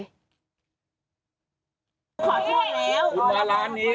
ขอโทษแล้ว